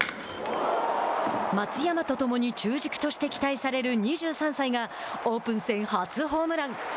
松山とともに中軸として期待される２３歳がオープン戦初ホームラン。